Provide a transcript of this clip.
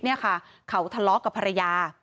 เขาทะเลาะกับภรรยา